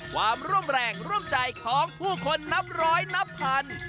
ความร่วมแรงร่วมใจของผู้คนนับร้อยนับพัน